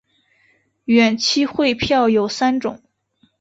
远期汇票有三种。